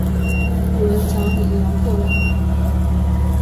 有人找你聊过了吗？